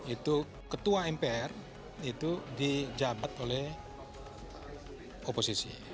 itu ketua mpr itu di jabat oleh oposisi